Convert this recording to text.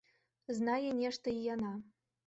Знае нешта й яна.